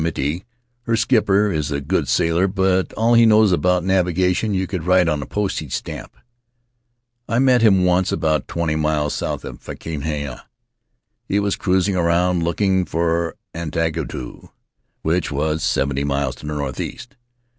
Miti, her skipper, is a good sailor, but all he knows about navigation you could write on a postage stamp. I met him once about twenty miles south of Fakahina. He was cruising around looking for Angatau, which was seventy miles to the northeast.